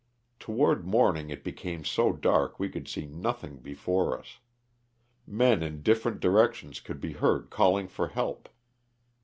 Toward morning it became so dark we could see nothing before us. Men in different directions could be heard calling for help.